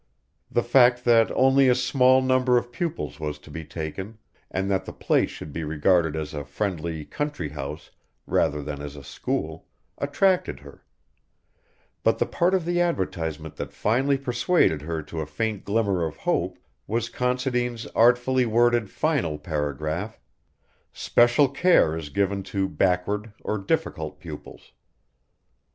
The fact that only a small number of pupils was to be taken, and that the place should be regarded as a friendly country house rather than as a school, attracted her; but the part of the advertisement that finally persuaded her to a faint glimmer of hope was Considine's artfully worded final paragraph: "Special care is given to backward or difficult pupils."